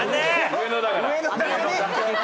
上野だから。